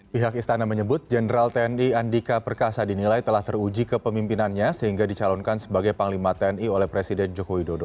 pihak istana menyebut jenderal tni andika perkasa dinilai telah teruji ke pemimpinannya sehingga dicalonkan sebagai panglima tni oleh presiden joko widodo